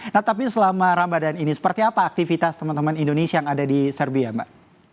nah tapi selama ramadhan ini seperti apa aktivitas teman teman indonesia yang ada di serbia mbak